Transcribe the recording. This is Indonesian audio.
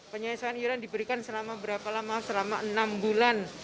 penyelesaian yuran diberikan selama berapa lama selama enam bulan